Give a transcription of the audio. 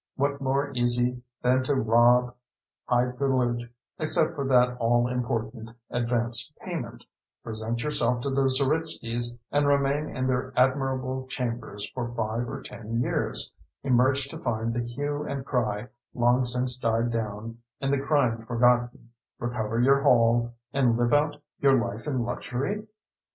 What more easy than to rob, hide the loot (except for that all important advance payment), present yourself to the Zeritskys and remain in their admirable chambers for five or ten years, emerge to find the hue and cry long since died down and the crime forgotten, recover your haul and live out your life in luxury?